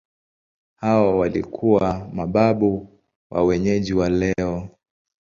Hawa walikuwa mababu wa wenyeji wa leo.